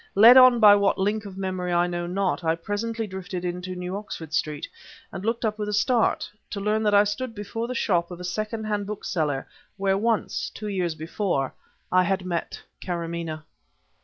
Led on by what link of memory I know not, I presently drifted into New Oxford Street, and looked up with a start to learn that I stood before the shop of a second hand book seller where once two years before I had met Karamaneh.